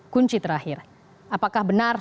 kunci terakhir apakah benar